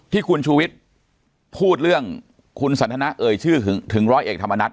ที่คุณชูวิทย์พูดเรื่องคุณสันทนาเอ่ยชื่อถึงร้อยเอกธรรมนัฐ